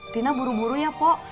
tina buru buru ya pak